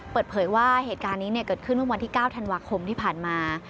เปิดเผยว่าเหตุการณ์นี้เกิดขึ้นเมื่อวันที่๙ธันวาคมที่ผ่านมา